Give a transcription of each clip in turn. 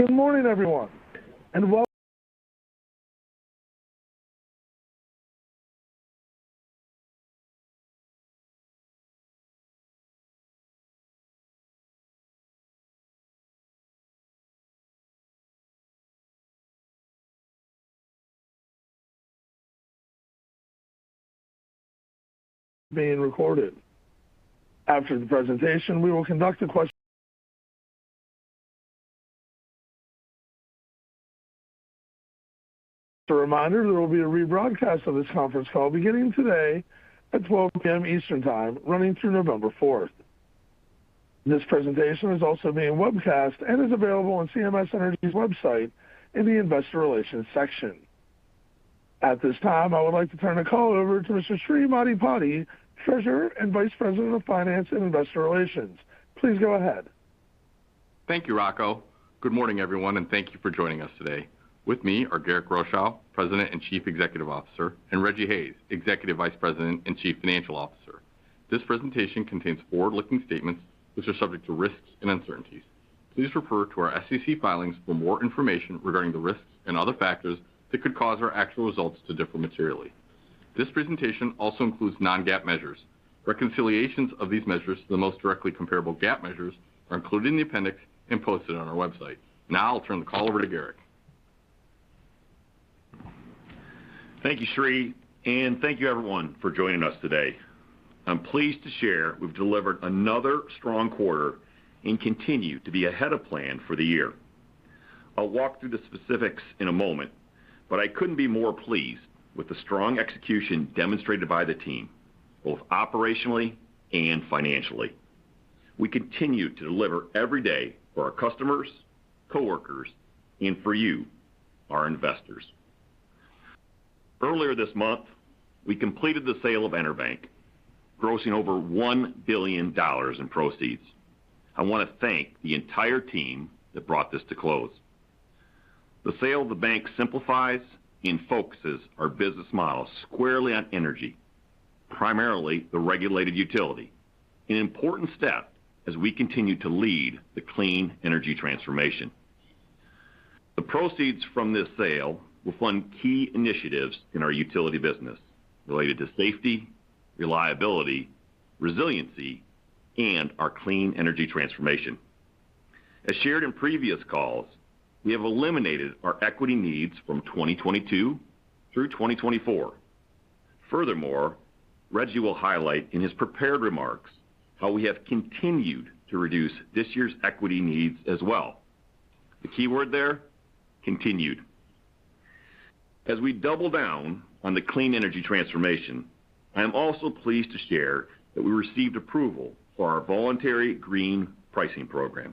Good morning, everyone, and welcome. This call is being recorded. After the presentation, we will conduct a question-and-answer session. As a reminder, there will be a rebroadcast of this conference call beginning today at 12 P.M. Eastern Time, running through November fourth. This presentation is also being webcast and is available on CMS Energy's website in the Investor Relations section. At this time, I would like to turn the call over to Mr. Sri Maddipati, Treasurer and Vice President of Finance and Investor Relations. Please go ahead. Thank you, Rocco. Good morning, everyone, and thank you for joining us today. With me are Garrick Rochow, President and Chief Executive Officer, and Rejji Hayes, Executive Vice President and Chief Financial Officer. This presentation contains forward-looking statements which are subject to risks and uncertainties. Please refer to our SEC filings for more information regarding the risks and other factors that could cause our actual results to differ materially. This presentation also includes non-GAAP measures. Reconciliations of these measures to the most directly comparable GAAP measures are included in the appendix and posted on our website. Now I'll turn the call over to Garrick. Thank you, Sri, and thank you everyone for joining us today. I'm pleased to share we've delivered another strong quarter and continue to be ahead of plan for the year. I'll walk through the specifics in a moment, but I couldn't be more pleased with the strong execution demonstrated by the team, both operationally and financially. We continue to deliver every day for our customers, coworkers, and for you, our investors. Earlier this month, we completed the sale of EnerBank, grossing over $1 billion in proceeds. I want to thank the entire team that brought this to close. The sale of the bank simplifies and focuses our business model squarely on energy, primarily the regulated utility, an important step as we continue to lead the clean energy transformation. The proceeds from this sale will fund key initiatives in our utility business related to safety, reliability, resiliency, and our clean energy transformation. As shared in previous calls, we have eliminated our equity needs from 2022 through 2024. Furthermore, Rejji will highlight in his prepared remarks how we have continued to reduce this year's equity needs as well. The keyword there, continued. As we double down on the clean energy transformation, I am also pleased to share that we received approval for our Voluntary Green Pricing Program,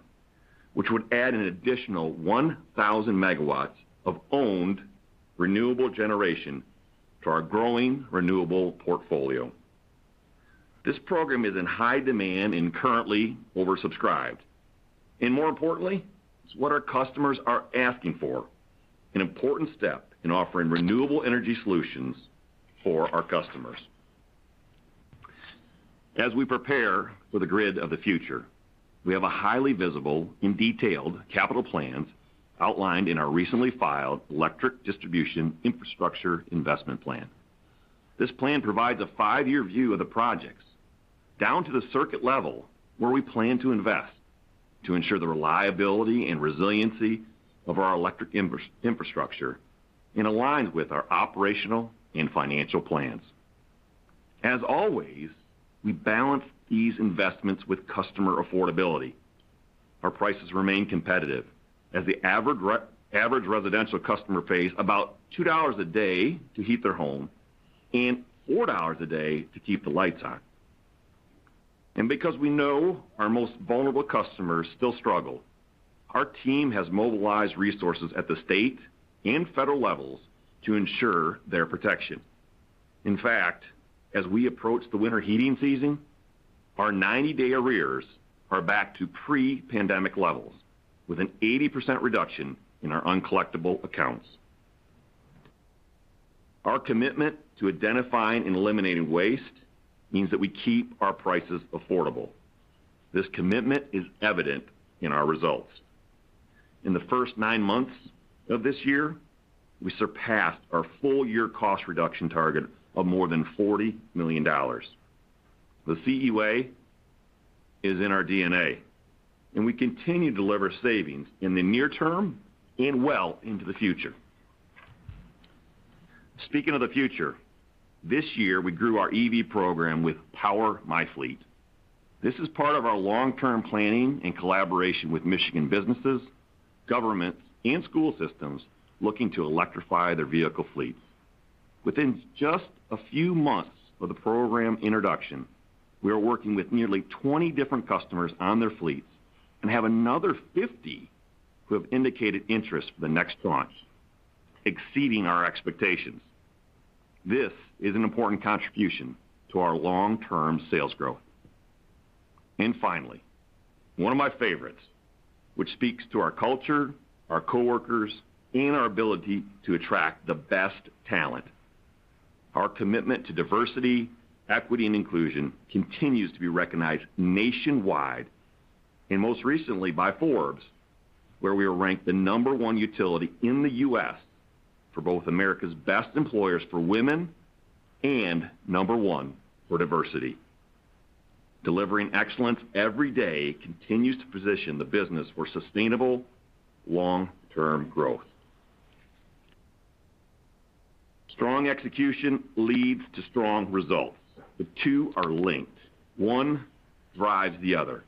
which would add an additional 1,000 MW of owned renewable generation to our growing renewable portfolio. This program is in high demand and currently oversubscribed. More importantly, it's what our customers are asking for, an important step in offering renewable energy solutions for our customers. As we prepare for the grid of the future, we have a highly visible and detailed capital plans outlined in our recently filed Electric Distribution Infrastructure Investment Plan. This plan provides a five-year view of the projects down to the circuit level where we plan to invest to ensure the reliability and resiliency of our electric infrastructure and aligns with our operational and financial plans. As always, we balance these investments with customer affordability. Our prices remain competitive as the average residential customer pays about $2 a day to heat their home and $4 a day to keep the lights on. Because we know our most vulnerable customers still struggle, our team has mobilized resources at the state and federal levels to ensure their protection. In fact, as we approach the winter heating season, our 90-day arrears are back to pre-pandemic levels with an 80% reduction in our uncollectible accounts. Our commitment to identifying and eliminating waste means that we keep our prices affordable. This commitment is evident in our results. In the first nine months of this year, we surpassed our full year cost reduction target of more than $40 million. The CE Way is in our DNA, and we continue to deliver savings in the near term and well into the future. Speaking of the future, this year we grew our EV program with PowerMIFleet. This is part of our long-term planning and collaboration with Michigan businesses, government, and school systems looking to electrify their vehicle fleets. Within just a few months of the program introduction, we are working with nearly 20 different customers on their fleets and have another 50 who have indicated interest for the next launch, exceeding our expectations. This is an important contribution to our long-term sales growth. Finally, one of my favorites, which speaks to our culture, our coworkers, and our ability to attract the best talent. Our commitment to diversity, equity, and inclusion continues to be recognized nationwide, and most recently by Forbes, where we were ranked the number one utility in the U.S. for both America's Best Employers for Women and number one for diversity. Delivering excellence every day continues to position the business for sustainable long-term growth. Strong execution leads to strong results. The two are linked. One drives the other.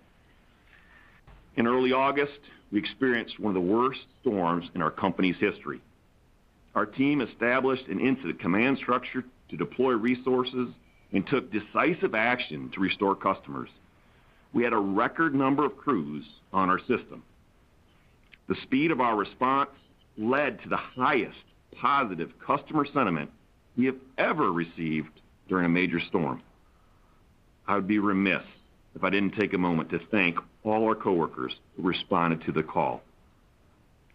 In early August, we experienced one of the worst storms in our company's history. Our team established an incident command structure to deploy resources and took decisive action to restore customers. We had a record number of crews on our system. The speed of our response led to the highest positive customer sentiment we have ever received during a major storm. I would be remiss if I didn't take a moment to thank all our coworkers who responded to the call.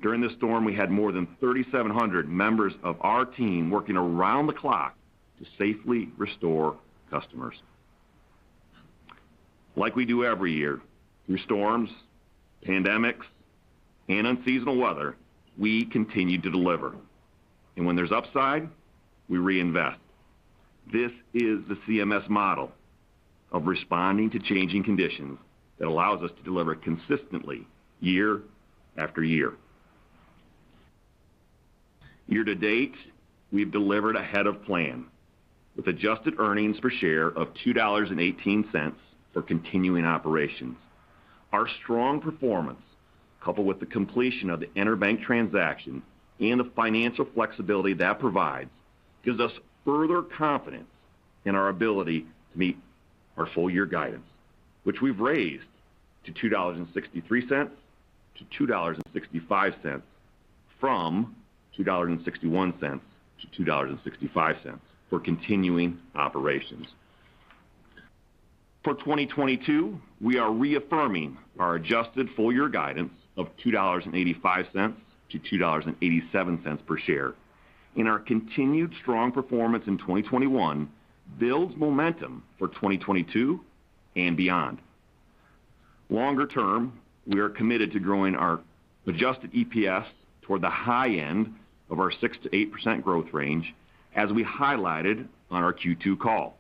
During this storm, we had more than 3,700 members of our team working around the clock to safely restore customers. Like we do every year, through storms, pandemics, and unseasonal weather, we continue to deliver. When there's upside, we reinvest. This is the CMS model of responding to changing conditions that allows us to deliver consistently year-after-year. Year-to-date, we've delivered ahead of plan with adjusted earnings per share of $2.18 for continuing operations. Our strong performance, coupled with the completion of the EnerBank transaction and the financial flexibility that provides, gives us further confidence in our ability to meet our full-year guidance, which we've raised to $2.63 to $2.65 from $2.61 to $2.65 for continuing operations. For 2022, we are reaffirming our adjusted full-year guidance of $2.85 to $2.87 per share, and our continued strong performance in 2021 builds momentum for 2022 and beyond. Longer term, we are committed to growing our adjusted EPS toward the high end of our 6% to 8% growth range, as we highlighted on our Q2 call.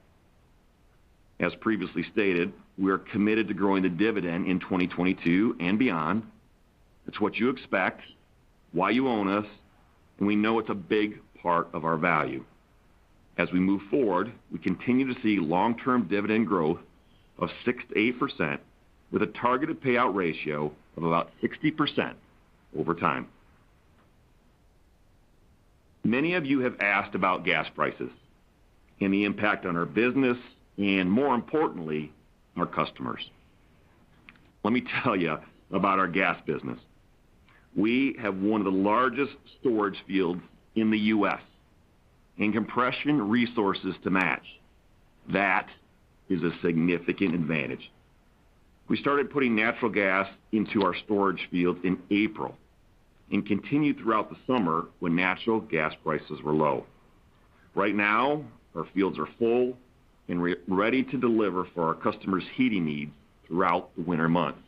As previously stated, we are committed to growing the dividend in 2022 and beyond. It's what you expect, why you own us, and we know it's a big part of our value. As we move forward, we continue to see long-term dividend growth of 6% to 8% with a targeted payout ratio of about 60% over time. Many of you have asked about gas prices and the impact on our business and, more importantly, our customers. Let me tell you about our gas business. We have one of the largest storage fields in the U.S. and compression resources to match. That is a significant advantage. We started putting natural gas into our storage fields in April and continued throughout the summer when natural gas prices were low. Right now, our fields are full and ready to deliver for our customers' heating needs throughout the winter months.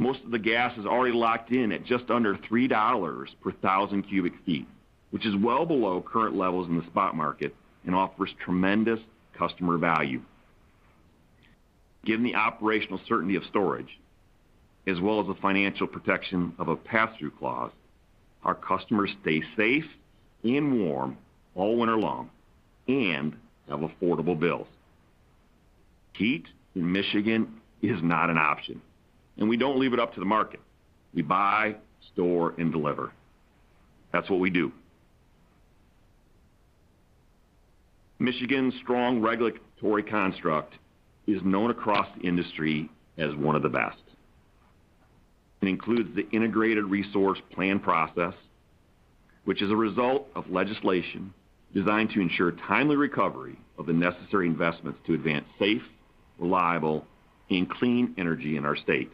Most of the gas is already locked in at just under $3 per 1,000 cubic feet, which is well below current levels in the spot market and offers tremendous customer value. Given the operational certainty of storage, as well as the financial protection of a pass-through clause, our customers stay safe and warm all winter long and have affordable bills. Heat in Michigan is not an option, and we don't leave it up to the market. We buy, store, and deliver. That's what we do. Michigan's strong regulatory construct is known across the industry as one of the best. It includes the integrated resource plan process, which is a result of legislation designed to ensure timely recovery of the necessary investments to advance safe, reliable, and clean energy in our state.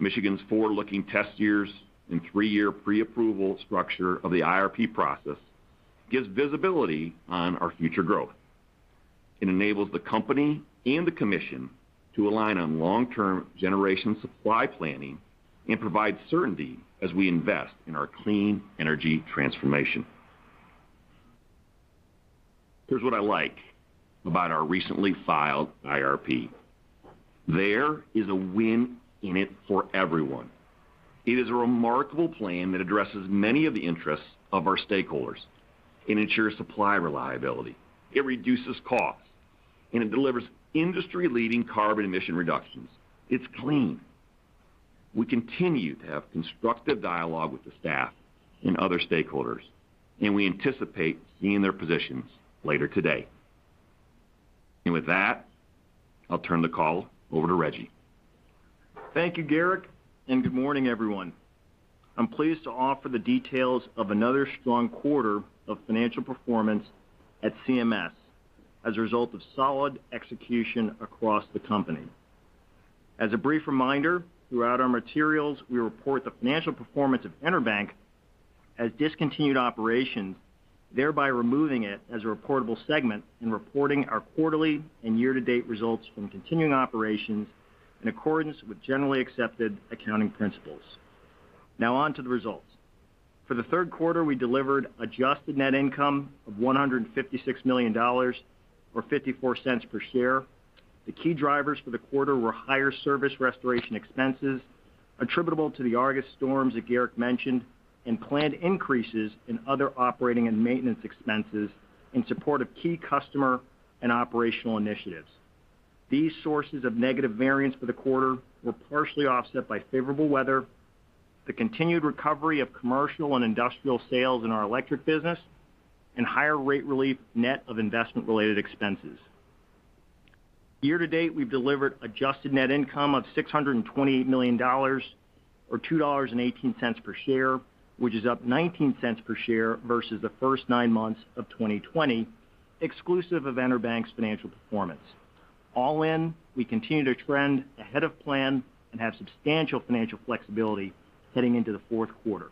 Michigan's forward-looking test years and three-year pre-approval structure of the IRP process gives visibility on our future growth. It enables the company and the commission to align on long-term generation supply planning and provide certainty as we invest in our clean energy transformation. Here's what I like about our recently filed IRP. There is a win in it for everyone. It is a remarkable plan that addresses many of the interests of our stakeholders. It ensures supply reliability, it reduces costs, and it delivers industry-leading carbon emission reductions. It's clean. We continue to have constructive dialogue with the staff and other stakeholders, and we anticipate seeing their positions later today. With that, I'll turn the call over to Rejji. Thank you, Garrick, and good morning, everyone. I'm pleased to offer the details of another strong quarter of financial performance at CMS as a result of solid execution across the company. As a brief reminder, throughout our materials, we report the financial performance of EnerBank as discontinued operations, thereby removing it as a reportable segment in reporting our quarterly and year-to-date results from continuing operations in accordance with generally accepted accounting principles. Now on to the results. For the third quarter, we delivered adjusted net income of $156 million or 54 cents per share. The key drivers for the quarter were higher service restoration expenses attributable to the August storms that Garrick mentioned, and planned increases in other operating and maintenance expenses in support of key customer and operational initiatives. These sources of negative variance for the quarter were partially offset by favorable weather, the continued recovery of commercial and industrial sales in our electric business, and higher rate relief net of investment-related expenses. Year to date, we've delivered adjusted net income of $628 million or $2.18 per share, which is up $0.19 per share versus the first nine months of 2020, exclusive of EnerBank's financial performance. All in, we continue to trend ahead of plan and have substantial financial flexibility heading into the fourth quarter.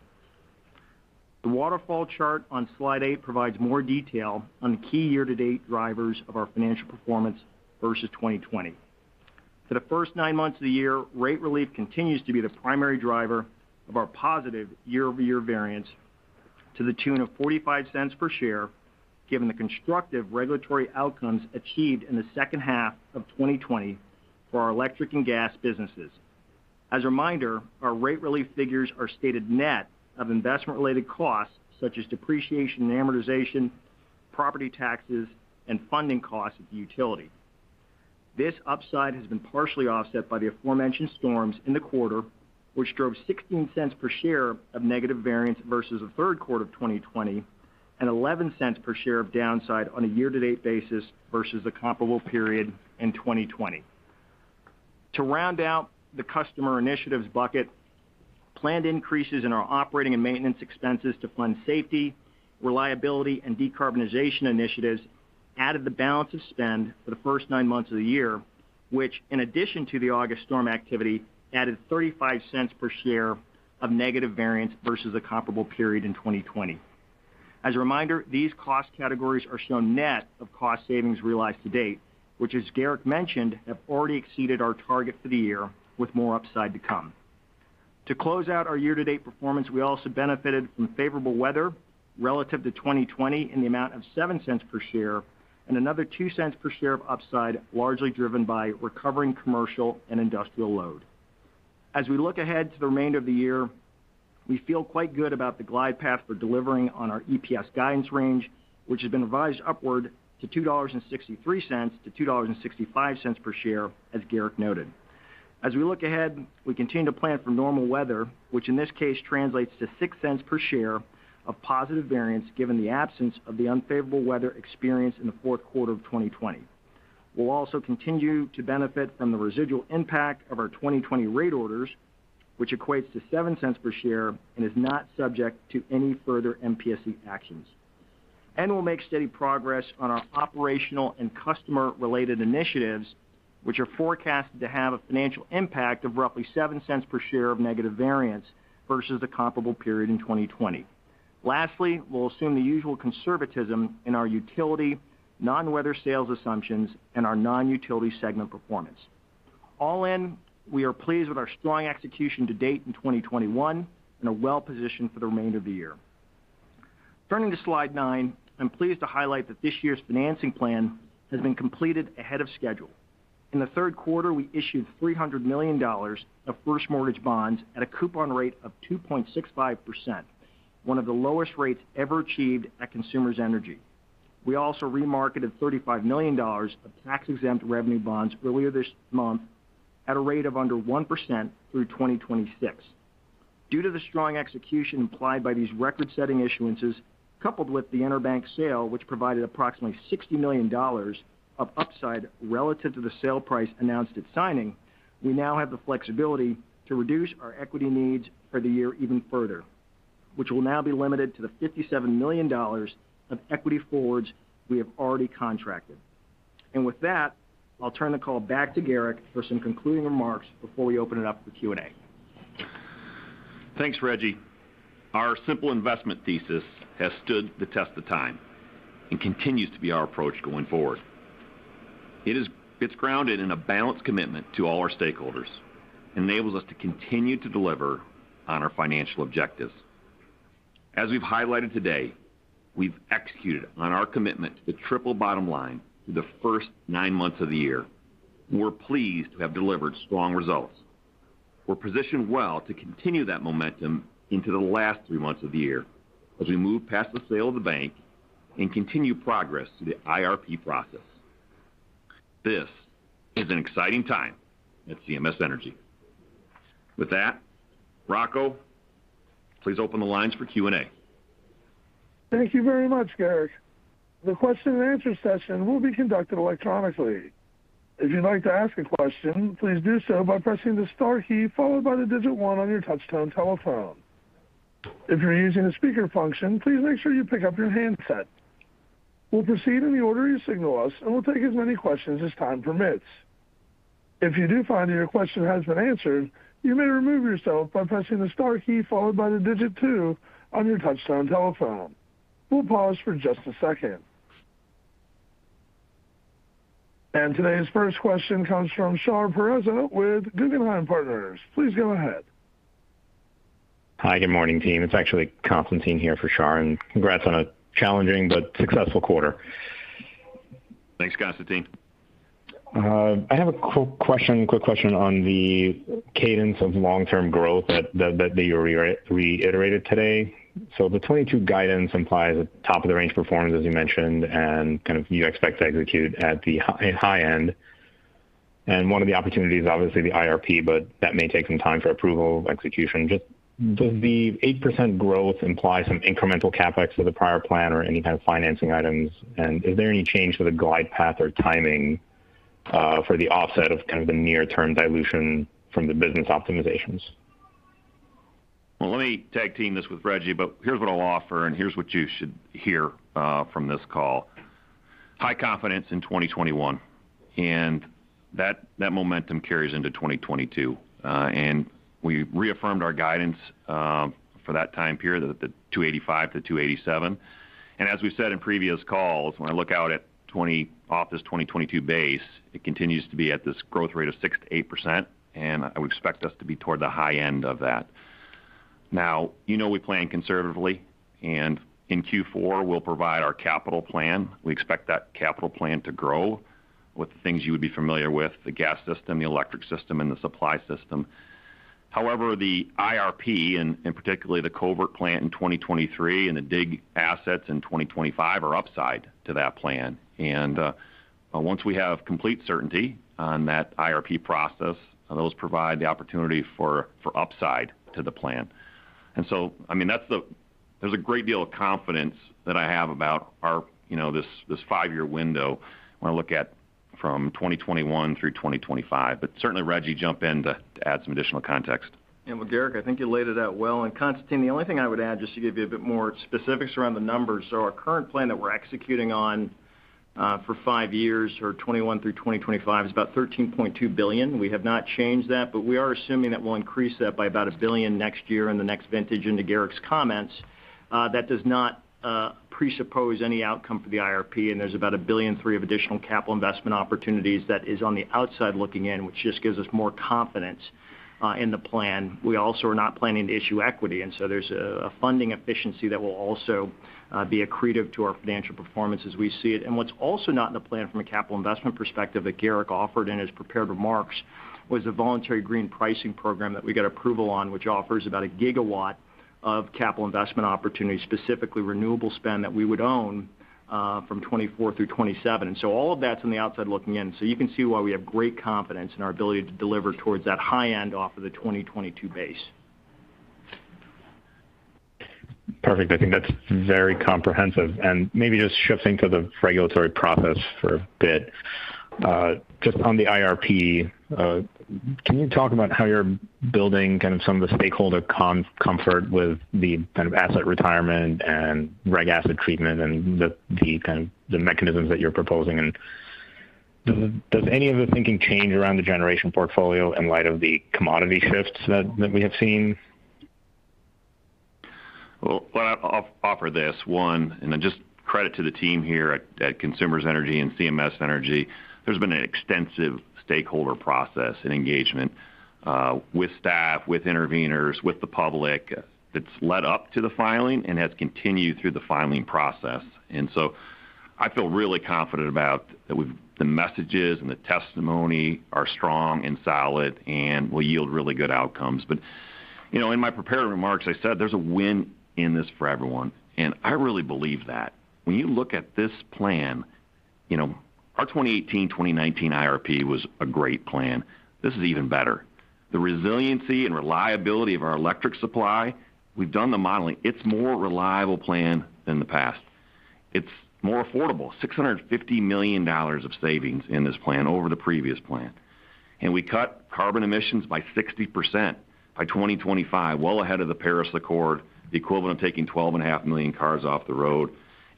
The waterfall chart on slide 8 provides more detail on the key year-to-date drivers of our financial performance versus 2020. For the first nine months of the year, rate relief continues to be the primary driver of our positive year-over-year variance to the tune of $0.45 per share, given the constructive regulatory outcomes achieved in the second half of 2020 for our electric and gas businesses. As a reminder, our rate relief figures are stated net of investment-related costs such as depreciation and amortization, property taxes, and funding costs of the utility. This upside has been partially offset by the aforementioned storms in the quarter, which drove $0.16 per share of negative variance versus the third quarter of 2020, and $0.11 per share of downside on a year-to-date basis versus the comparable period in 2020. To round out the customer initiatives bucket, planned increases in our operating and maintenance expenses to fund safety, reliability, and decarbonization initiatives added the balance of spend for the first nine months of the year, which in addition to the August storm activity, added $0.35 per share of negative variance versus the comparable period in 2020. As a reminder, these cost categories are shown net of cost savings realized to date, which, as Garrick mentioned, have already exceeded our target for the year with more upside to come. To close out our year-to-date performance, we also benefited from favorable weather relative to 2020 in the amount of $0.07 per share and another $0.02 per share of upside, largely driven by recovering commercial and industrial load. As we look ahead to the remainder of the year, we feel quite good about the glide path for delivering on our EPS guidance range, which has been revised upward to $2.63 to $2.65 per share, as Garrick noted. As we look ahead, we continue to plan for normal weather, which in this case translates to $0.06 per share of positive variance given the absence of the unfavorable weather experienced in the fourth quarter of 2020. We'll also continue to benefit from the residual impact of our 2020 rate orders, which equates to $0.07 per share and is not subject to any further MPSC actions. We'll make steady progress on our operational and customer-related initiatives, which are forecasted to have a financial impact of roughly $0.07 per share of negative variance versus the comparable period in 2020. Lastly, we'll assume the usual conservatism in our utility non-weather sales assumptions and our non-utility segment performance. All in, we are pleased with our strong execution to date in 2021 and are well-positioned for the remainder of the year. Turning to slide nine, I'm pleased to highlight that this year's financing plan has been completed ahead of schedule. In the third quarter, we issued $300 million of first mortgage bonds at a coupon rate of 2.65%, one of the lowest rates ever achieved at Consumers Energy. We also remarketed $35 million of tax-exempt revenue bonds earlier this month at a rate of under 1% through 2026. Due to the strong execution implied by these record-setting issuances, coupled with the EnerBank sale, which provided approximately $60 million of upside relative to the sale price announced at signing, we now have the flexibility to reduce our equity needs for the year even further, which will now be limited to the $57 million of equity forwards we have already contracted. With that, I'll turn the call back to Garrick for some concluding remarks before we open it up for Q&A. Thanks, Rejji. Our simple investment thesis has stood the test of time and continues to be our approach going forward. It's grounded in a balanced commitment to all our stakeholders, enables us to continue to deliver on our financial objectives. As we've highlighted today, we've executed on our commitment to the triple bottom line through the first nine months of the year. We're pleased to have delivered strong results. We're positioned well to continue that momentum into the last three months of the year as we move past the sale of the bank and continue progress through the IRP process. This is an exciting time at CMS Energy. With that, Rocco, please open the lines for Q&A. Thank you very much, Garrick. The question and answer session will be conducted electronically. If you'd like to ask a question, please do so by pressing the star key followed by the digit one on your touchtone telephone. If you're using the speaker function, please make sure you pick up your handset. We'll proceed in the order you signal us, and we'll take as many questions as time permits. If you do find that your question has been answered, you may remove yourself by pressing the star key followed by the digit two on your touchtone telephone. We'll pause for just a second. Today's first question comes from Shar Pourreza with Guggenheim Partners. Please go ahead. Hi, good morning, team. It's actually Constantine here for Shar, and congrats on a challenging but successful quarter. Thanks, Constantine. I have a question, quick question on the cadence of long-term growth that you reiterated today. The 2022 guidance implies a top of the range performance, as you mentioned, and kind of you expect to execute at the high end. One of the opportunities, obviously the IRP, but that may take some time for approval, execution. Just- Mm-hmm. Does the 8% growth imply some incremental CapEx to the prior plan or any kind of financing items? Is there any change to the glide path or timing for the offset of kind of the near-term dilution from the business optimizations? Well, let me tag-team this with Rejji, but here's what I'll offer and here's what you should hear from this call. High confidence in 2021, and that momentum carries into 2022. We reaffirmed our guidance for that time period at $2.85 to $2.87. As we said in previous calls, when I look out at 2022 off this 2022 base, it continues to be at this growth rate of 6% to 8%, and I would expect us to be toward the high end of that. Now, you know we plan conservatively, and in Q4, we'll provide our capital plan. We expect that capital plan to grow with the things you would be familiar with, the gas system, the electric system, and the supply system. However, the IRP and particularly the Covert plant in 2023 and the DIG assets in 2025 are upside to that plan. Once we have complete certainty on that IRP process, those provide the opportunity for upside to the plan. I mean, that's. There's a great deal of confidence that I have about our, you know, this five-year window when I look at from 2021 through 2025. But certainly, Rejji, jump in to add some additional context. Yeah. Well, Garrick, I think you laid it out well. Constantine, the only thing I would add, just to give you a bit more specifics around the numbers. Our current plan that we're executing on, for five years or 2021 through 2025 is about $13.2 billion. We have not changed that, but we are assuming that we'll increase that by about $1 billion next year in the next vintage into Garrick's comments. That does not presuppose any outcome for the IRP, and there's about $1.3 billion of additional capital investment opportunities that is on the outside looking in, which just gives us more confidence in the plan. We also are not planning to issue equity, and there's a funding efficiency that will also be accretive to our financial performance as we see it. What's also not in the plan from a capital investment perspective that Garrick offered in his prepared remarks was a Voluntary Green Pricing Program that we got approval on, which offers about a gigawatt of capital investment opportunities, specifically renewable spend that we would own, from 2024 through 2027. All of that's on the outside looking in. You can see why we have great confidence in our ability to deliver towards that high end off of the 2022 base. Perfect. I think that's very comprehensive. Maybe just shifting to the regulatory process for a bit. Just on the IRP, can you talk about how you're building kind of some of the stakeholder comfort with the kind of asset retirement and reg asset treatment and the kind of mechanisms that you're proposing? Does any of the thinking change around the generation portfolio in light of the commodity shifts that we have seen? I'll offer this, one, and then just credit to the team here at Consumers Energy and CMS Energy. There's been an extensive stakeholder process and engagement with staff, with interveners, with the public, that's led up to the filing and has continued through the filing process. I feel really confident about that. The messages and the testimony are strong and solid and will yield really good outcomes. You know, in my prepared remarks, I said there's a win in this for everyone, and I really believe that. When you look at this plan, you know, our 2018/2019 IRP was a great plan. This is even better. The resiliency and reliability of our electric supply, we've done the modeling. It's more reliable plan than the past. It's more affordable, $650 million of savings in this plan over the previous plan. We cut carbon emissions by 60% by 2025, well ahead of the Paris Agreement, the equivalent of taking 12.5 million cars off the road.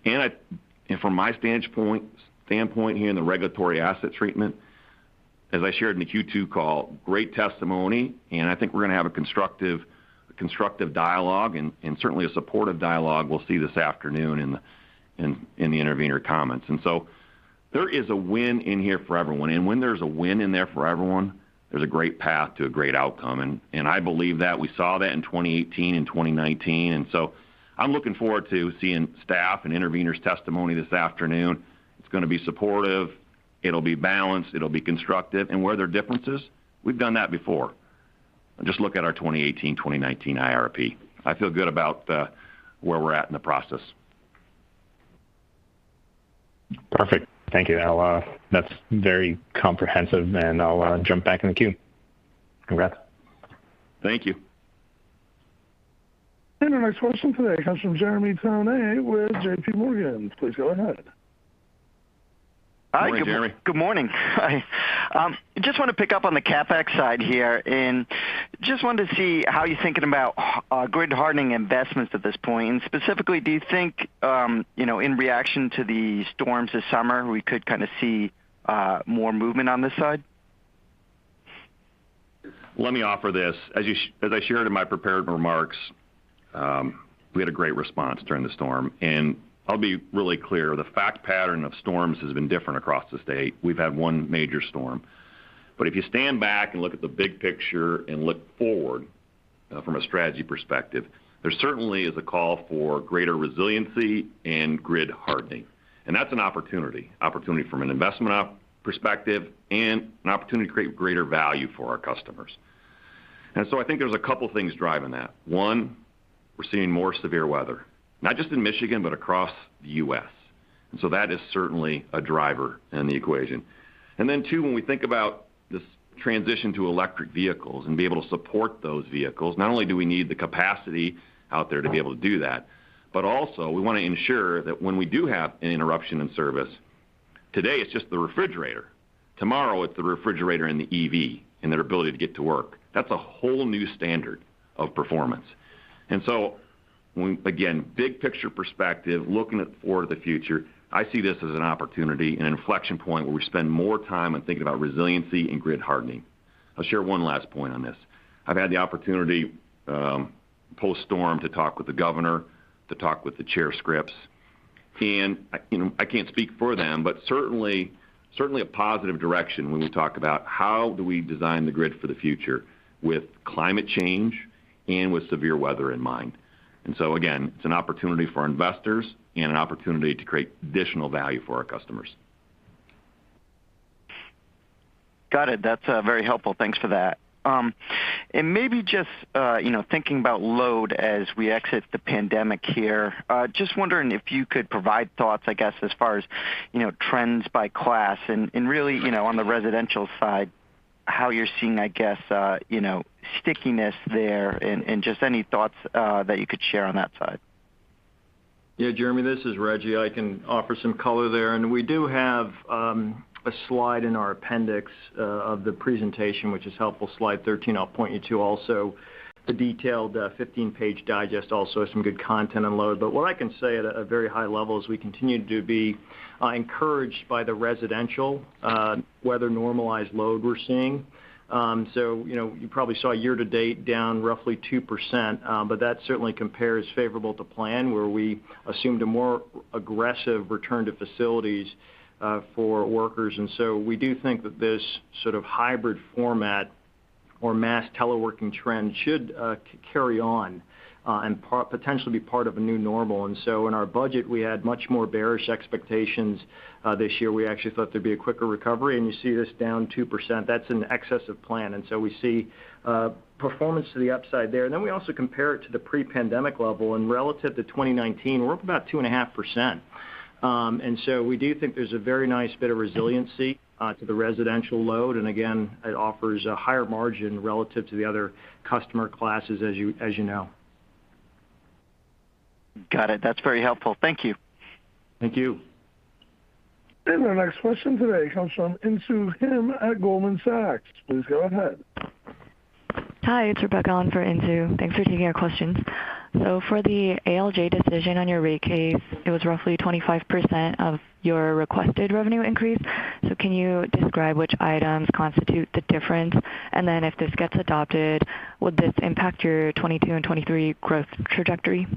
From my standpoint here in the regulatory asset treatment, as I shared in the Q2 call, great testimony, and I think we're going to have a constructive dialogue and certainly a supportive dialogue we'll see this afternoon in the intervener comments. There is a win in here for everyone. When there's a win in there for everyone, there's a great path to a great outcome. I believe that. We saw that in 2018 and 2019. I'm looking forward to seeing staff and interveners' testimony this afternoon. It's going to be supportive, it'll be balanced, it'll be constructive. Where there are differences, we've done that before. Just look at our 2018/2019 IRP. I feel good about where we're at in the process. Perfect. Thank you. That's very comprehensive, and I'll jump back in the queue. Congrats. Thank you. Our next question today comes from Jeremy Tonet with J.PMorgan. Please go ahead. Hi, good morning. I just want to pick up on the CapEx side here and just wanted to see how you're thinking about grid hardening investments at this point. Specifically, do you think, you know, in reaction to the storms this summer, we could kind of see more movement on this side? Let me offer this. As I shared in my prepared remarks, we had a great response during the storm. I'll be really clear, the fact pattern of storms has been different across the state. We've had one major storm. If you stand back and look at the big picture and look forward, from a strategy perspective, there certainly is a call for greater resiliency and grid hardening. That's an opportunity from an investment perspective and an opportunity to create greater value for our customers. I think there's a couple things driving that. One, we're seeing more severe weather, not just in Michigan, but across the U.S. That is certainly a driver in the equation. Then two, when we think about this transition to electric vehicles and be able to support those vehicles, not only do we need the capacity out there to be able to do that, but also we want to ensure that when we do have an interruption in service, today, it's just the refrigerator. Tomorrow, it's the refrigerator and the EV, and their ability to get to work. That's a whole new standard of performance. When again, big picture perspective, looking forward to the future, I see this as an opportunity and an inflection point where we spend more time on thinking about resiliency and grid hardening. I'll share one last point on this. I've had the opportunity, post-storm to talk with the governor, to talk with the Chair Scripps. You know, I can't speak for them, but certainly a positive direction when we talk about how do we design the grid for the future with climate change and with severe weather in mind. Again, it's an opportunity for investors and an opportunity to create additional value for our customers. Got it. That's very helpful. Thanks for that. Maybe just, you know, thinking about load as we exit the pandemic here, just wondering if you could provide thoughts, I guess, as far as, you know, trends by class and, really, you know, on the residential side, how you're seeing, I guess, you know, stickiness there and just any thoughts that you could share on that side? Yeah, Jeremy, this is Rejji. I can offer some color there. We do have a slide in our appendix of the presentation, which is helpful. Slide 13, I'll point you to also the detailed 15-page digest also has some good content on load. What I can say at a very high level is we continue to be encouraged by the residential weather normalized load we're seeing. You know, you probably saw year-to-date down roughly 2%, but that certainly compares favorable to plan where we assumed a more aggressive return to facilities for workers. We do think that this sort of hybrid format or mass teleworking trend should carry on and potentially be part of a new normal. In our budget, we had much more bearish expectations this year. We actually thought there'd be a quicker recovery, and you see this down 2%. That's in excess of plan. We see performance to the upside there. We also compare it to the pre-pandemic level, and relative to 2019, we're up about 2.5%. We do think there's a very nice bit of resiliency to the residential load. Again, it offers a higher margin relative to the other customer classes as you know. Got it. That's very helpful. Thank you. Thank you. Our next question today comes from Insoo Kim at Goldman Sachs. Please go ahead. Hi, it's Rebecca on for Insoo. Thanks for taking our questions. For the ALJ decision on your rate case, it was roughly 25% of your requested revenue increase. Can you describe which items constitute the difference? Then if this gets adopted, would this impact your 2022 and 2023 growth trajectory?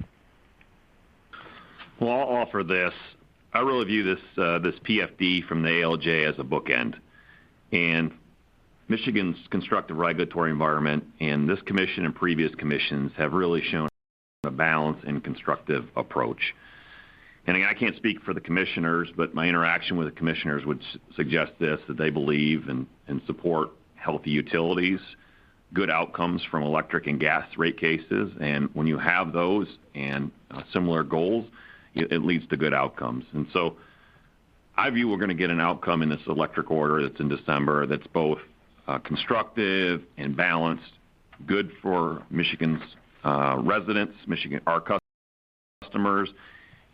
Well, I'll offer this. I really view this PFD from the ALJ as a bookend. Michigan's constructive regulatory environment and this commission and previous commissions have really shown a balance and constructive approach. Again, I can't speak for the commissioners, but my interaction with the commissioners would suggest this, that they believe and support healthy utilities, good outcomes from electric and gas rate cases. When you have those and similar goals, it leads to good outcomes. I view we're gonna get an outcome in this electric order that's in December that's both constructive and balanced, good for Michigan's residents, Michigan, our customers,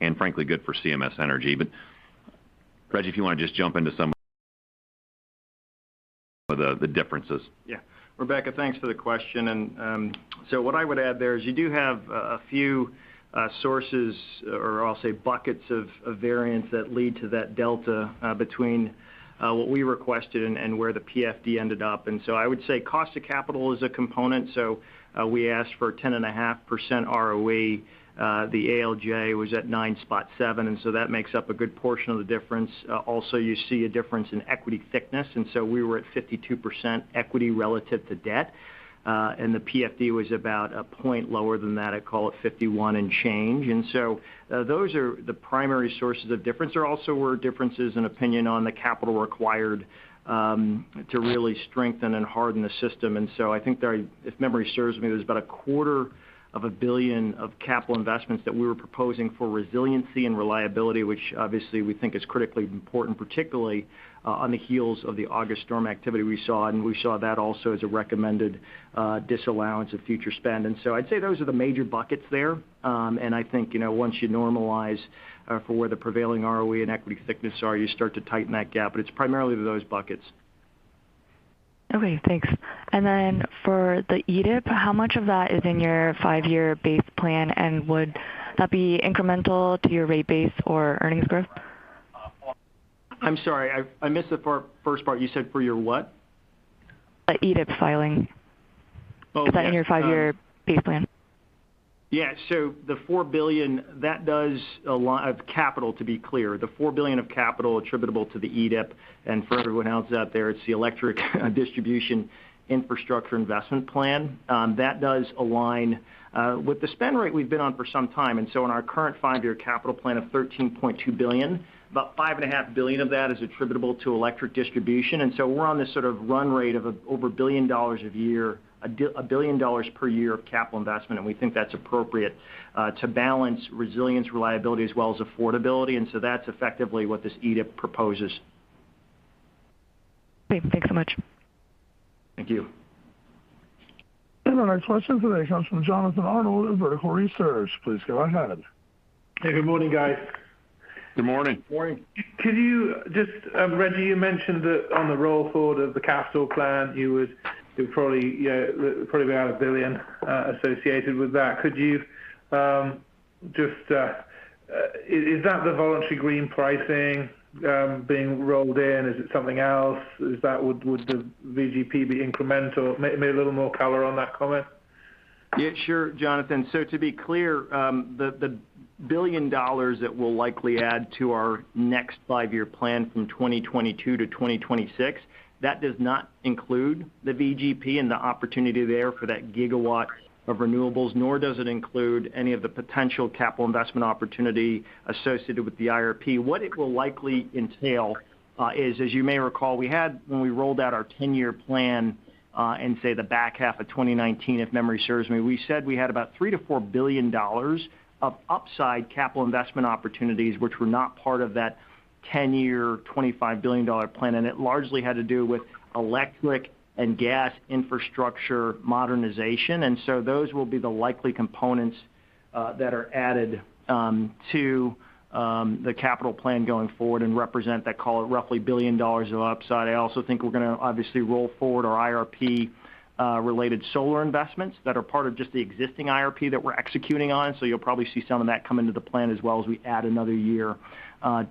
and frankly, good for CMS Energy. Rejji, if you wanna just jump into some of the differences. Yeah. Rebecca, thanks for the question. What I would add there is you do have a few sources or I'll say buckets of variance that lead to that delta between what we requested and where the PFD ended up. I would say cost of capital is a component. We asked for 10.5% ROE. The ALJ was at 9.7, and that makes up a good portion of the difference. Also you see a difference in equity thickness, and we were at 52% equity relative to debt. The PFD was about a point lower than that. I'd call it 51 and change. Those are the primary sources of difference. There also were differences in opinion on the capital required to really strengthen and harden the system. I think there, if memory serves me, there's about a quarter of a billion of capital investments that we were proposing for resiliency and reliability, which obviously we think is critically important, particularly on the heels of the August storm activity we saw, and we saw that also as a recommended disallowance of future spend. I'd say those are the major buckets there. I think, you know, once you normalize for where the prevailing ROE and equity thickness are, you start to tighten that gap. But it's primarily those buckets. Okay, thanks. For the EDIP, how much of that is in your five-year base plan? Would that be incremental to your rate base or earnings growth? I'm sorry, I missed the first part. You said for your what? EDIP filing. Oh, yes. Is that in your five-year base plan? Yeah. The $4 billion, that does a lot of capital, to be clear. The $4 billion of capital attributable to the EDIP, and for everyone else out there, it's the Electric Distribution Infrastructure Investment Plan. That does align with the spend rate we've been on for some time. In our current five-year capital plan of $13.2 billion, about $5.5 billion of that is attributable to electric distribution. We're on this sort of run rate of over $1 billion a year, $1 billion per year of capital investment, and we think that's appropriate to balance resilience, reliability, as well as affordability. That's effectively what this EDIP proposes. Okay. Thanks so much. Thank you. Our next question today comes from Jonathan Arnold of Vertical Research. Please go ahead. Hey, good morning, guys. Good morning. Morning. Could you just, Rejji, you mentioned that on the roll-forward of the capital plan, you'd probably, you know, probably be out $1 billion associated with that. Could you just, is that the Voluntary Green Pricing being rolled in? Is it something else? Would the VGP be incremental? Maybe a little more color on that comment. Yeah, sure, Jonathan. To be clear, the $1 billion that we'll likely add to our next five-year plan from 2022 to 2026, that does not include the VGP and the opportunity there for that gigawatt of renewables, nor does it include any of the potential capital investment opportunity associated with the IRP. What it will likely entail is, as you may recall, we had when we rolled out our 10-year plan in the back half of 2019, if memory serves me, we said we had about $3 to 4 billion of upside capital investment opportunities which were not part of that 10-year, $25 billion plan, and it largely had to do with electric and gas infrastructure modernization. Those will be the likely components that are added to the capital plan going forward and represent that, call it, roughly $1 billion of upside. I also think we're going to obviously roll forward our IRP related solar investments that are part of just the existing IRP that we're executing on. You'll probably see some of that come into the plan as well as we add another year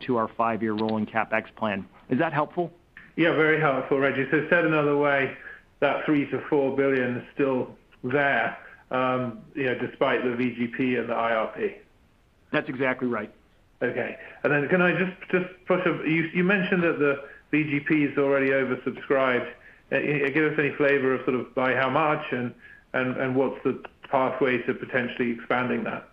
to our five-year rolling CapEx plan. Is that helpful? Yeah, very helpful, Rejji. Said another way, that $3 to 4 billion is still there, you know, despite the VGP and the IRP. That's exactly right. Okay. You mentioned that the VGP is already oversubscribed. Give us any flavor of sort of by how much and what's the pathway to potentially expanding that?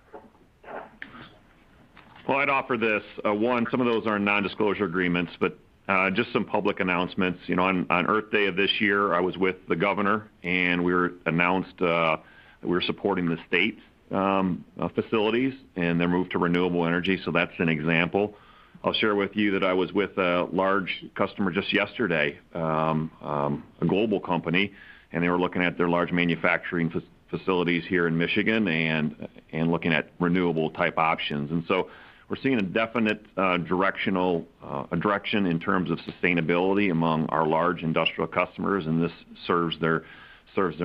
Well, I'd offer this. One, some of those are nondisclosure agreements, but just some public announcements. You know, on Earth Day of this year, I was with the governor and we were announced, we were supporting the state facilities and their move to renewable energy. That's an example. I'll share with you that I was with a large customer just yesterday, a global company, and they were looking at their large manufacturing facilities here in Michigan and looking at renewable type options. We're seeing a definite directional, a direction in terms of sustainability among our large industrial customers, and this serves their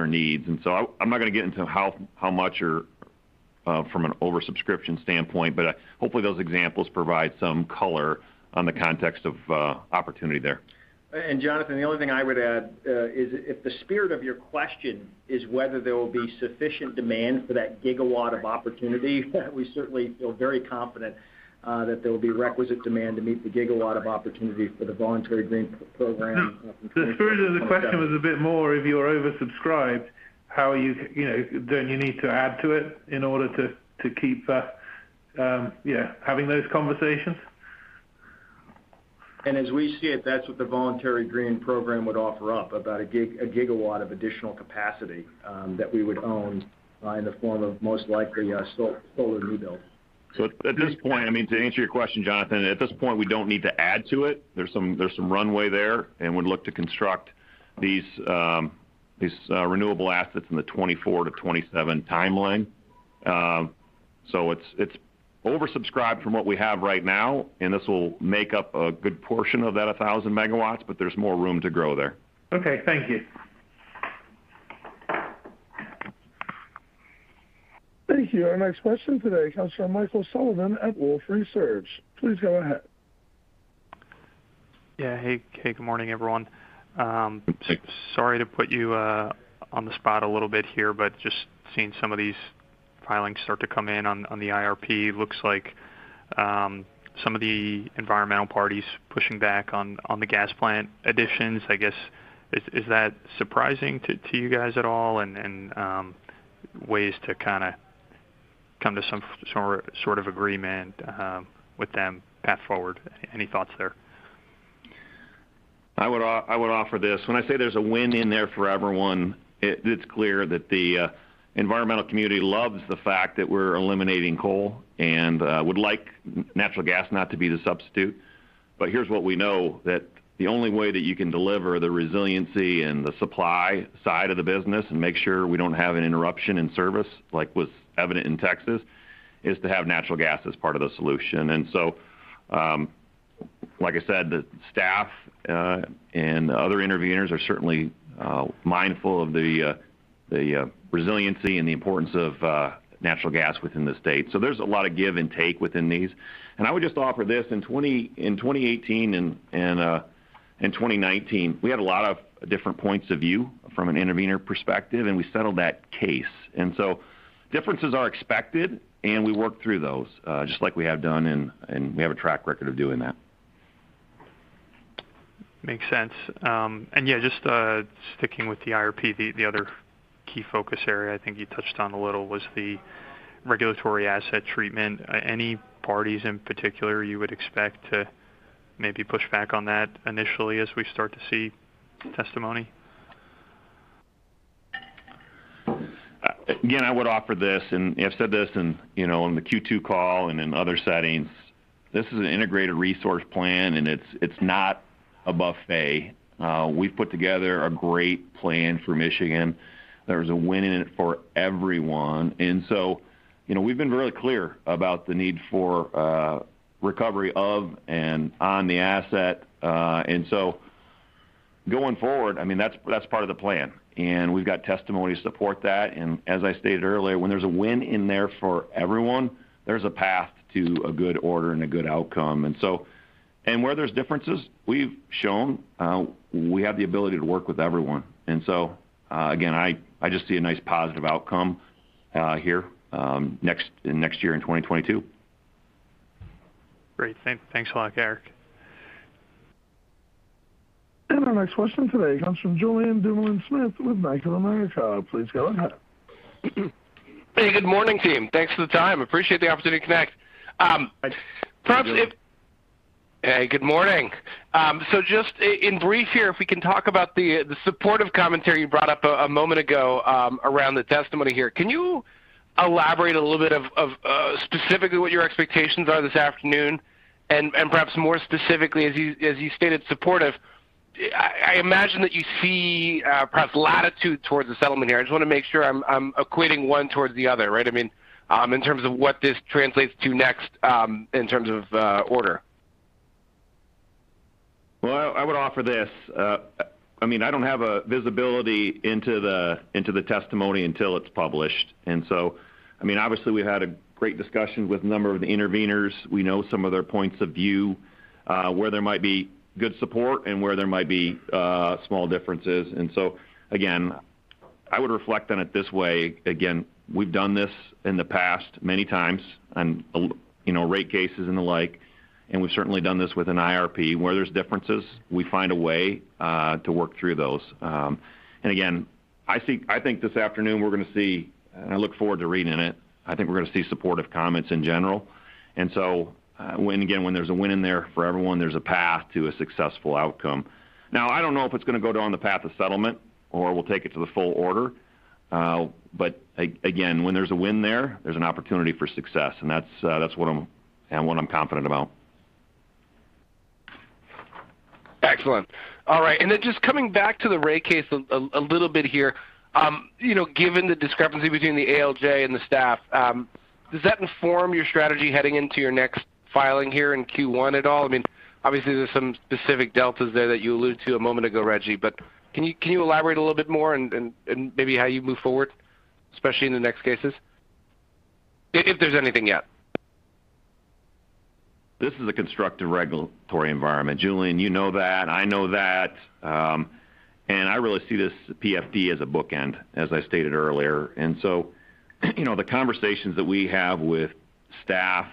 needs. I'm not going to get into how much or from an oversubscription standpoint, but hopefully those examples provide some color on the context of opportunity there. Jonathan, the only thing I would add is if the spirit of your question is whether there will be sufficient demand for that gigawatt of opportunity, we certainly feel very confident that there will be requisite demand to meet the gigawatt of opportunity for the voluntary green program- The spirit of the question was a bit more if you're oversubscribed, how are you. You know, don't you need to add to it in order to keep having those conversations? As we see it, that's what the voluntary green program would offer up, about a gigawatt of additional capacity, that we would own, in the form of most likely, solar rebuild. At this point, I mean, to answer your question, Jonathan, at this point, we don't need to add to it. There's some runway there, and we'd look to construct these renewable assets in the 2024 to 2027 timeline. It's oversubscribed from what we have right now, and this will make up a good portion of that 1,000 MW, but there's more room to grow there. Okay. Thank you. Thank you. Our next question today comes from Michael Sullivan at Wolfe Research. Please go ahead. Yeah. Hey. Hey, good morning, everyone. Sorry to put you on the spot a little bit here, but just seeing some of these filings start to come in on the IRP, looks like some of the environmental parties pushing back on the gas plant additions. I guess, is that surprising to you guys at all, ways to kind of come to some sort of agreement with them path forward? Any thoughts there? I would offer this. When I say there's a win in there for everyone, it's clear that the environmental community loves the fact that we're eliminating coal and would like natural gas not to be the substitute. But here's what we know, that the only way that you can deliver the resiliency and the supply side of the business and make sure we don't have an interruption in service like was evident in Texas, is to have natural gas as part of the solution. Like I said, the staff and other intervenors are certainly mindful of the resiliency and the importance of natural gas within the state. There's a lot of give and take within these. I would just offer this: in 2018 and 2019, we had a lot of different points of view from an intervener perspective, and we settled that case. Differences are expected, and we work through those, just like we have done and we have a track record of doing that. Makes sense. Yeah, just sticking with the IRP, the other key focus area I think you touched on a little was the regulatory asset treatment. Any parties in particular you would expect to maybe push back on that initially as we start to see testimony? Again, I would offer this. I've said this in the Q2 call and in other settings. This is an integrated resource plan and it's not a buffet. We've put together a great plan for Michigan. There's a win in it for everyone. You know, we've been really clear about the need for recovery of and on the asset. Going forward, I mean, that's part of the plan. We've got testimony to support that. As I stated earlier, when there's a win in there for everyone, there's a path to a good order and a good outcome. Where there's differences, we've shown we have the ability to work with everyone. Again, I just see a nice positive outcome here next in next year in 2022. Great. Thanks a lot, Garrick. Our next question today comes from Julien Dumoulin-Smith with Bank of America. Please go ahead. Hey, good morning, team. Thanks for the time. Appreciate the opportunity to connect. Good morning. Hey, good morning. So just in brief here, if we can talk about the supportive commentary you brought up a moment ago around the testimony here. Can you elaborate a little bit of specifically what your expectations are this afternoon? Perhaps more specifically, as you stated, supportive, I imagine that you see perhaps latitude towards the settlement here. I just want to make sure I'm equating one towards the other, right? I mean, in terms of what this translates to next, in terms of order. Well, I would offer this. I mean, I don't have a visibility into the testimony until it's published. I mean, obviously we had a great discussion with a number of the interveners. We know some of their points of view, where there might be good support and where there might be small differences. I would reflect on it this way. Again, we've done this in the past many times on, you know, rate cases and the like, and we've certainly done this with an IRP. Where there's differences, we find a way to work through those. I see. I think this afternoon we're going to see, and I look forward to reading it, I think we're going to see supportive comments in general. When, again, there's a win in there for everyone, there's a path to a successful outcome. Now, I don't know if it's going to go down the path of settlement or we'll take it to the full order, but again, when there's a win there's an opportunity for success. That's what I'm confident about. Excellent. All right. Just coming back to the rate case a little bit here. You know, given the discrepancy between the ALJ and the staff, does that inform your strategy heading into your next filing here in Q1 at all? I mean, obviously, there's some specific deltas there that you alluded to a moment ago, Rejji, but can you elaborate a little bit more and maybe how you move forward, especially in the next cases? If there's anything yet. This is a constructive regulatory environment. Julian, you know that, I know that. I really see this PFD as a bookend, as I stated earlier. You know, the conversations that we have with staff,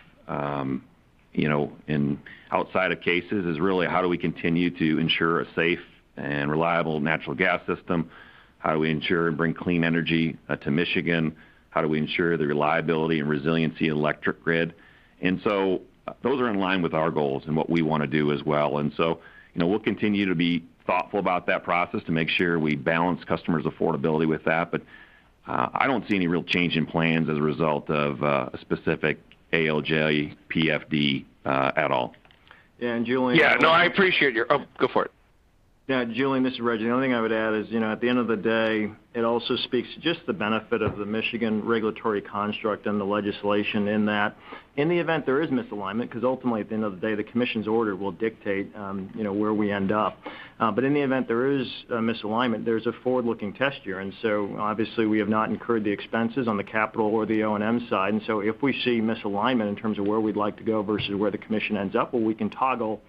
you know, in and outside of cases is really how do we continue to ensure a safe and reliable natural gas system? How do we ensure and bring clean energy to Michigan? How do we ensure the reliability and resiliency of the electric grid? Those are in line with our goals and what we want to do as well. You know, we'll continue to be thoughtful about that process to make sure we balance customers' affordability with that. I don't see any real change in plans as a result of a specific ALJ PFD at all. Julian Yeah. No, I appreciate your. Oh, go for it. Yeah. Julian, this is Rejji. The only thing I would add is, you know, at the end of the day, it also speaks just the benefit of the Michigan regulatory construct and the legislation in that. In the event there is misalignment, because ultimately, at the end of the day, the commission's order will dictate, you know, where we end up. In the event there is a misalignment, there's a forward-looking test here. Obviously we have not incurred the expenses on the capital or the O&M side. If we see misalignment in terms of where we'd like to go versus where the commission ends up, well, we can toggle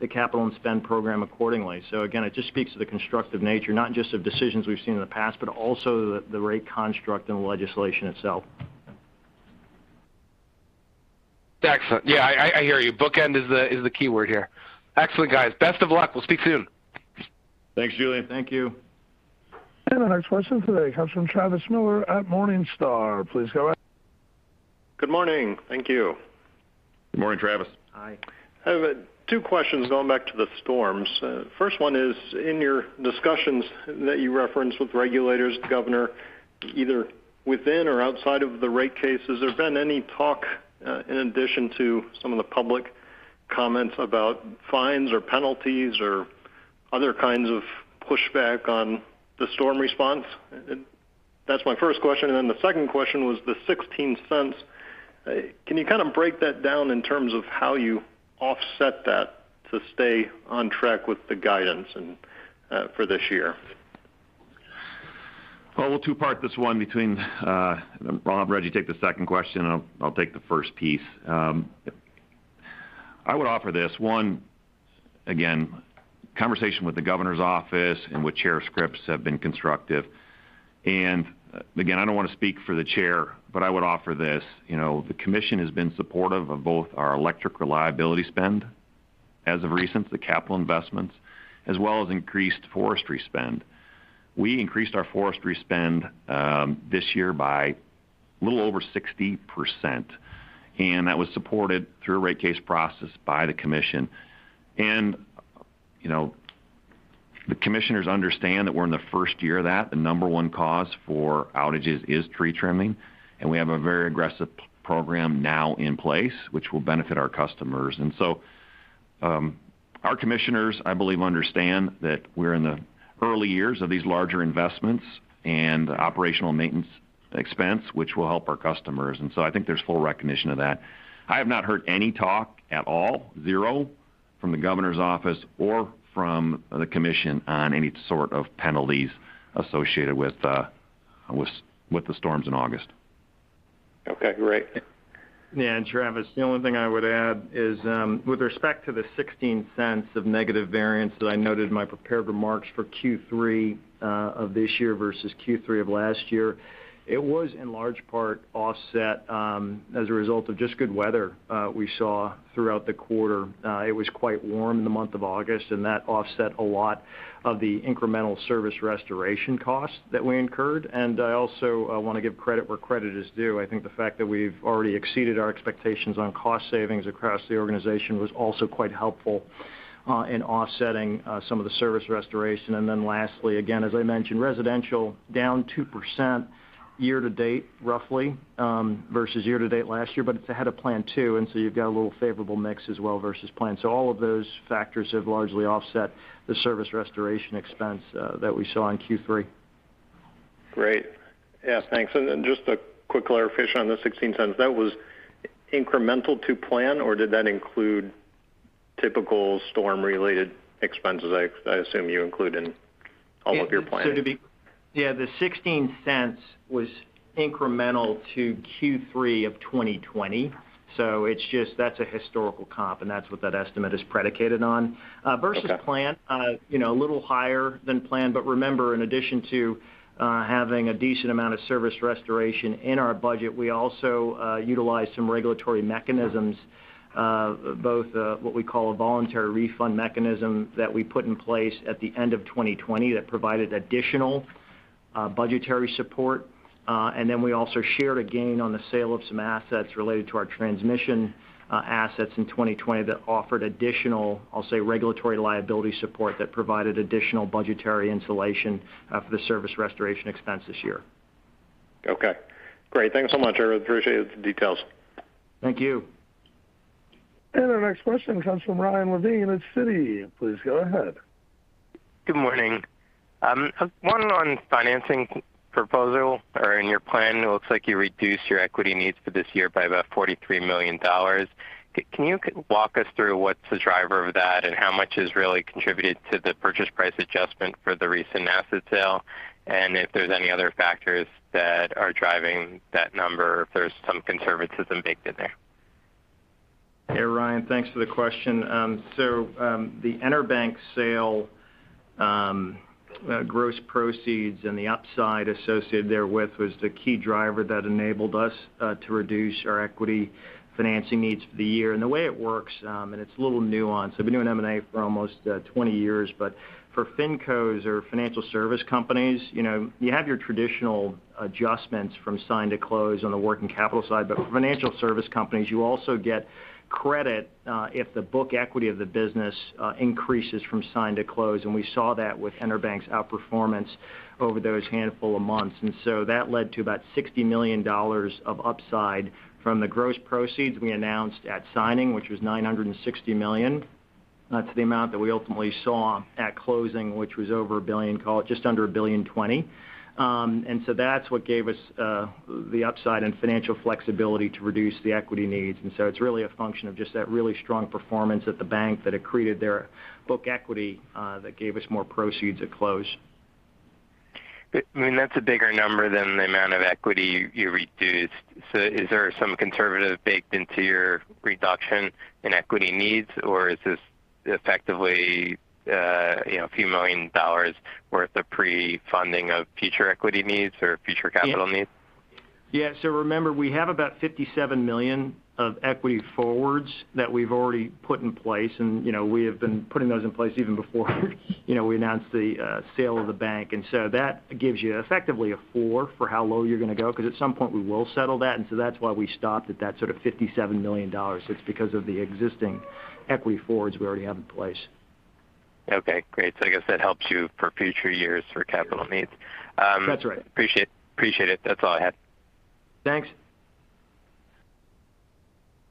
the capital and spend program accordingly. Again, it just speaks to the constructive nature, not just of decisions we've seen in the past, but also the rate construct and the legislation itself. Excellent. Yeah. I hear you. Bookend is the key word here. Excellent, guys. Best of luck. We'll speak soon. Thanks, Julien. Thank you. Our next question today comes from Travis Miller at Morningstar. Please go ahead. Good morning. Thank you. Good morning, Travis. Hi. I have two questions going back to the storms. First one is, in your discussions that you referenced with regulators, the governor, either within or outside of the rate cases, has there been any talk, in addition to some of the public comments about fines or penalties or other kinds of pushback on the storm response? That's my first question. The second question was the $0.16. Can you kind of break that down in terms of how you offset that to stay on track with the guidance and for this year? Well, we'll two-part this one between, I'll have Rejji take the second question, and I'll take the first piece. I would offer this. One, again, conversation with the governor's office and with Chair Scripps have been constructive. Again, I don't want to speak for the chair, but I would offer this. You know, the commission has been supportive of both our electric reliability spend as of recent, the capital investments, as well as increased forestry spend. We increased our forestry spend this year by a little over 60%, and that was supported through a rate case process by the commission. You know, the commissioners understand that we're in the first year of that. The number one cause for outages is tree trimming. We have a very aggressive program now in place which will benefit our customers. Our commissioners, I believe, understand that we're in the early years of these larger investments and operational maintenance expense, which will help our customers. I think there's full recognition of that. I have not heard any talk at all, zero, from the governor's office or from the commission on any sort of penalties associated with the storms in August. Okay, great. Yeah. Travis, the only thing I would add is, with respect to the $0.16 of negative variance that I noted in my prepared remarks for Q3 of this year versus Q3 of last year, it was in large part offset as a result of just good weather we saw throughout the quarter. It was quite warm in the month of August, and that offset a lot of the incremental service restoration costs that we incurred. I also want to give credit where credit is due. I think the fact that we've already exceeded our expectations on cost savings across the organization was also quite helpful in offsetting some of the service restoration. Then lastly, again, as I mentioned, residential down 2% year-to-date, roughly, versus year-to-date last year. It's ahead of plan two, and so you've got a little favorable mix as well versus plan. All of those factors have largely offset the service restoration expense that we saw in Q3. Great. Yes, thanks. Just a quick clarification on the $0.16. That was incremental to plan, or did that include typical storm-related expenses I assume you include in all of your planning? Yeah, the $0.16 was incremental to Q3 of 2020. It's just that's a historical comp, and that's what that estimate is predicated on. Okay. Versus plan, you know, a little higher than planned. Remember, in addition to having a decent amount of service restoration in our budget, we also utilized some regulatory mechanisms, both what we call a voluntary refund mechanism that we put in place at the end of 2020 that provided additional budgetary support. Then we also shared a gain on the sale of some assets related to our transmission assets in 2020 that offered additional, I'll say, regulatory liability support that provided additional budgetary insulation for the service restoration expense this year. Okay. Great. Thanks so much. I appreciate the details. Thank you. Our next question comes from Ryan Levine at Citi. Please go ahead. Good morning. One on financing proposal or in your plan, it looks like you reduced your equity needs for this year by about $43 million. Can you walk us through what's the driver of that and how much has really contributed to the purchase price adjustment for the recent asset sale, and if there's any other factors that are driving that number, if there's some conservatism baked in there? Hey, Ryan, thanks for the question. The EnerBank sale, gross proceeds and the upside associated therewith was the key driver that enabled us to reduce our equity financing needs for the year. The way it works, and it's a little nuanced. I've been doing M&A for almost 20 years, but for fincos or financial service companies, you know, you have your traditional adjustments from sign to close on the working capital side. For financial service companies, you also get credit, if the book equity of the business increases from sign to close. We saw that with EnerBank's outperformance over those handful of months. That led to about $60 million of upside from the gross proceeds we announced at signing, which was $960 million. That's the amount that we ultimately saw at closing, which was over $1 billion, call it just under $1.02 billion. That's what gave us the upside and financial flexibility to reduce the equity needs. It's really a function of just that really strong performance at the bank that accreted their book equity that gave us more proceeds at close. I mean, that's a bigger number than the amount of equity you reduced. Is there some conservative baked into your reduction in equity needs, or is this effectively, you know, $a few million worth of pre-funding of future equity needs or future capital needs? Yeah. Remember, we have about $57 million of equity forwards that we've already put in place. You know, we have been putting those in place even before, you know, we announced the sale of the bank. That gives you effectively a floor for how low you're going to go, because at some point we will settle that. That's why we stopped at that sort of $57 million. It's because of the existing equity forwards we already have in place. Okay, great. I guess that helps you for future years for capital needs. That's right. Appreciate it. That's all I had. Thanks.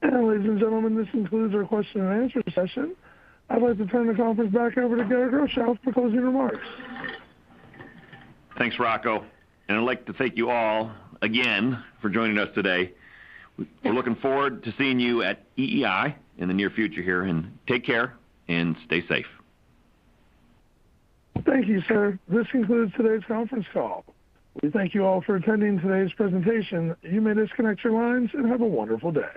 Ladies and gentlemen, this concludes our question and answer session. I'd like to turn the conference back over to Garrick Rochow for closing remarks. Thanks, Rocco. I'd like to thank you all again for joining us today. We're looking forward to seeing you at EEI in the near future here, and take care and stay safe. Thank you, sir. This concludes today's conference call. We thank you all for attending today's presentation. You may disconnect your lines, and have a wonderful day.